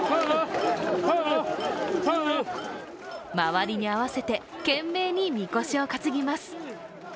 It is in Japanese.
周りに合わせて懸命に神輿を担ぎます。